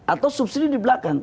atau subsidi di belakang